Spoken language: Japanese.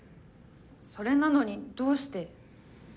それなのにどうして？